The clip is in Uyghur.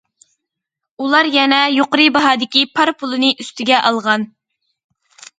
ئۇلار يەنە يۇقىرى باھادىكى پار پۇلىنى ئۈستىگە ئالغان.